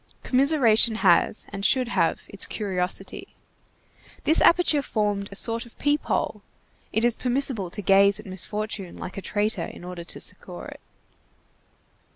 Commiseration has, and should have, its curiosity. This aperture formed a sort of peep hole. It is permissible to gaze at misfortune like a traitor in order to succor it.